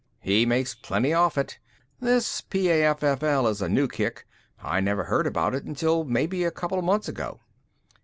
"He makes plenty off it. This PAFFL is a new kick. I never heard about it until maybe a couple months ago."